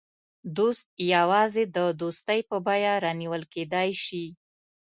دوست یوازې د دوستۍ په بیه رانیول کېدای شي.